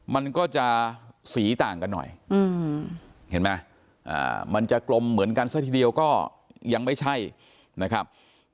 มันก็จะสีต่างกันหน่อยเห็นไหมมันจะกลมเหมือนกันซะทีเดียวก็ยังไม่ใช่นะครับ